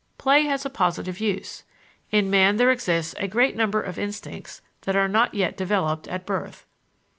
Play has a positive use. In man there exist a great number of instincts that are not yet developed at birth.